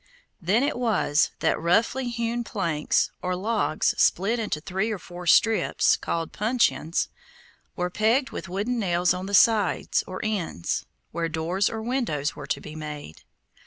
Then it was that roughly hewn planks, or logs split into three or four strips, called puncheons, were pegged with wooden nails on the sides, or ends, where doors or windows were to be made.